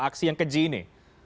aksi yang keji ini